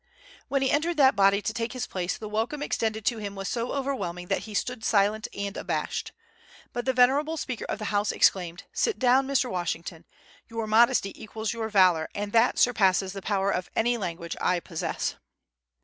When he entered that body to take his place, the welcome extended to him was so overwhelming that he stood silent and abashed. But the venerable Speaker of the House exclaimed, "Sit down, Mr. Washington; your modesty equals your valor, and that surpasses the power of any language I possess."